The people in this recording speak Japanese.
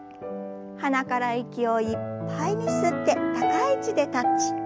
鼻から息をいっぱいに吸って高い位置でタッチ。